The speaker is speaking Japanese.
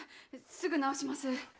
すぐ直します。